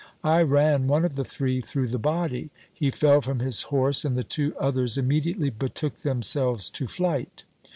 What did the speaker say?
I ran one of the three through the body ; he fell from his horse, and the two others immediately betook themselves to flight.